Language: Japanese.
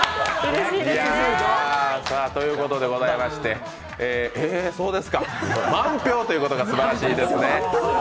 ということでございましてそうですか満票ということがすばらしいですね。